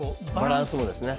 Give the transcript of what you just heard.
バランスもですね。